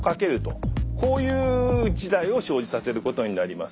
こういう事態を生じさせることになります。